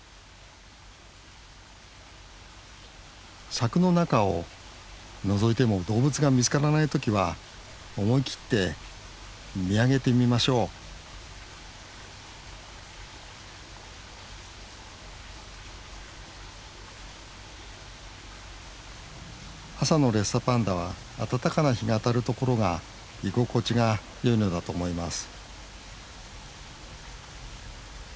柵の中をのぞいても動物が見つからない時は思い切って見上げてみましょう朝のレッサーパンダは暖かな日が当たる所が居心地が良いのだと思います